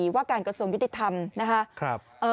ว่าการกระทรวงยุติธรรมนะครับ